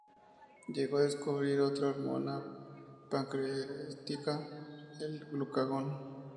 Llegó a descubrir otra hormona pancreática, el glucagón.